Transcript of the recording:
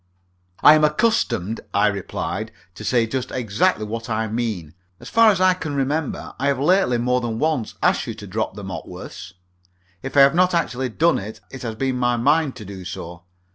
"I am accustomed," I replied, "to say just exactly what I mean. As far as I can remember, I have lately more than once asked you to drop the Mopworths. If I have not actually done it, it has been in my mind to do so.